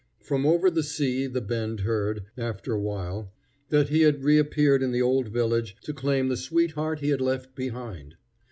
From over the sea the Bend heard, after a while, that he had reappeared in the old village to claim the sweetheart he had left behind.